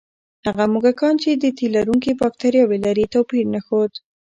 هغه موږکان چې د تیلرونکي بکتریاوې لري، توپیر نه ښود.